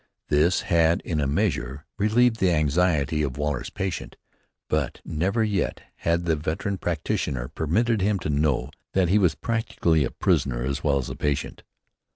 This had in a measure relieved the anxiety of Waller's patient, but never yet had the veteran practitioner permitted him to know that he was practically a prisoner as well as a patient.